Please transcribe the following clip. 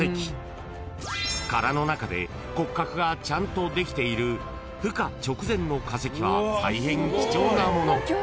［殻の中で骨格がちゃんとできているふ化直前の化石は大変貴重なもの］